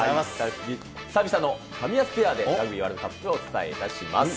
久々のカミヤスペアで、ラグビーワールドカップをお伝えいたします。